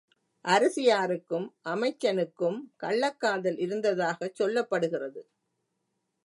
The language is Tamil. அரசியாருக்கும் அமைச்சனுக்கும் கள்ளக்காதல் இருந்ததாகச் சொல்லப்படுகிறது.